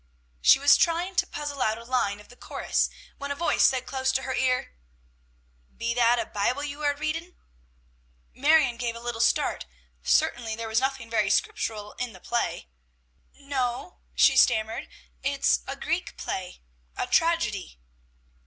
She was trying to puzzle out a line of the chorus, when a voice said close to her ear, "Be that a Bible you are readin'?" Marion gave a little start, certainly there was nothing very Scriptural in the play. "No o o," she stammered; "it's a Greek play, a a tragedy."